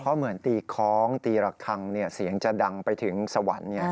เพราะเหมือนตีคล้องตีระคังเสียงจะดังไปถึงสวรรค์